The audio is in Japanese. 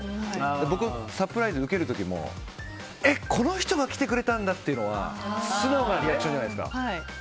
僕はサプライズを受ける時もこの人が来てくれたんだっていうのは素直なリアクションじゃないですか。